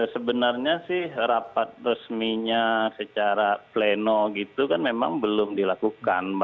sebenarnya sih rapat resminya secara pleno gitu kan memang belum dilakukan